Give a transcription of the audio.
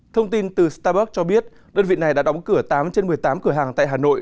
thông tin từ starbuck cho biết đơn vị này đã đóng cửa tám trên một mươi tám cửa hàng tại hà nội